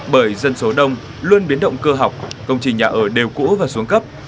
bởi dân số đông luôn biến động cơ học công trình nhà ở đều cũ và xuống cấp